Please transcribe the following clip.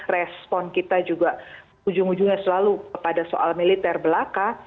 respon kita juga ujung ujungnya selalu kepada soal militer belaka